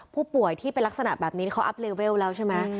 ผู้ป่วยที่เป็นลักษณะแบบนี้เขาอัพเลเวลแล้วใช่ไหม